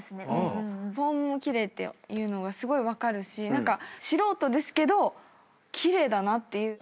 フォームも奇麗っていうのがすごい分かるし素人ですけど奇麗だなっていう。